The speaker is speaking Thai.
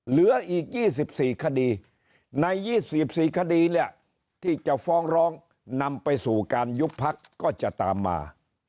เหลืออีก๒๔คดีใน๒๔คดีเนี่ยที่จะฟ้องร้องนำไปสู่การยุบพักก็จะตามมา